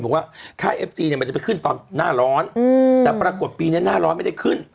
บอกว่าค่าเอฟซีเนี่ยมันจะไปขึ้นตอนหน้าร้อนแต่ปรากฏปีนี้หน้าร้อนไม่ได้ขึ้น